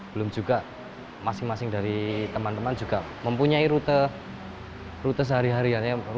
belum juga masing masing dari teman teman juga mempunyai rute sehari hari